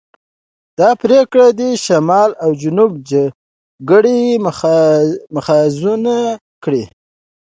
دا پرېکړې دې شمال او جنوب د جګړې محاذونه کړي.